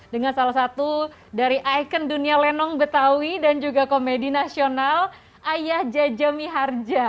dengan salah satu dari ikon dunia lenong betawi dan juga komedi nasional ayah jaja miharja